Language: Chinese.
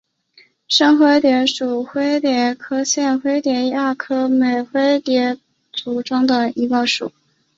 圣灰蝶属是灰蝶科线灰蝶亚科美灰蝶族中的一个属。